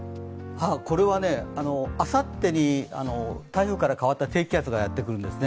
これはね、あさってに台風から変わった低気圧がやってくるんです。